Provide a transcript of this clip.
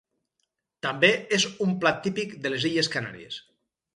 També és un plat típic de les Illes Canàries.